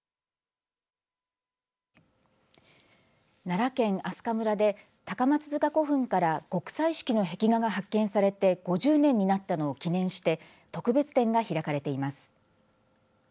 奈良県明日香村で高松塚古墳から極彩色の壁画が発見されて５０年になったのを記念して特別展が開かれています。